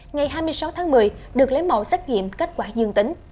ngày hai mươi sáu tháng một mươi được lấy mẫu xét nghiệm kết quả dương tính